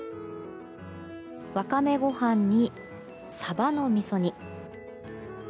わかめご飯に、サバの味噌煮。